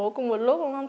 cùng một lúc đúng không